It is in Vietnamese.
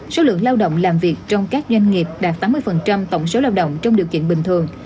số lượng lao động làm việc trong các doanh nghiệp đạt tám mươi tổng số lao động trong điều kiện bình thường